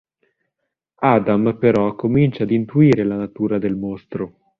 Adam però comincia ad intuire la natura del mostro.